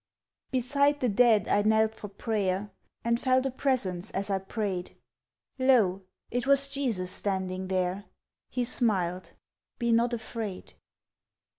Beside the dead I knelt for prayer, And felt a presence as I prayed. Lo! it was Jesus standing there. He smiled: "Be not afraid!"